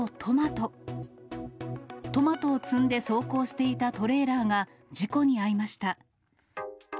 トマトを積んで走行していたトレーラーが事故に遭いました。